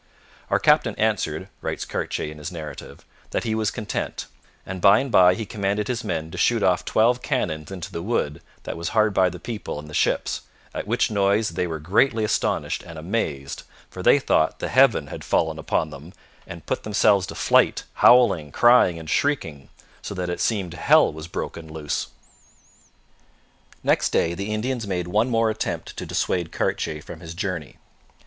'Our captain answered,' writes Cartier in his narrative, 'that he was content: and by and by he commanded his men to shoot off twelve cannons into the wood that was hard by the people and the ships, at which noise they were greatly astonished and amazed, for they thought the heaven had fallen upon them, and put themselves to flight, howling, crying and shrieking, so that it seemed hell was broken loose.' Next day the Indians made one more attempt to dissuade Cartier from his journey.